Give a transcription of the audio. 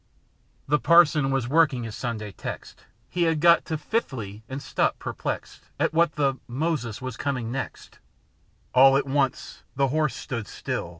The parson was working his Sunday's text â Had got to fifthly, and stopped perplexed At what the â Moses â was coming next. All at once the horse stood still.